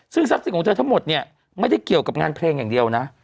ซึ่งทรัพย์สินของเธอทั้งหมดเนี่ยไม่ได้เกี่ยวกับงานเพลงอย่างเดียวนะ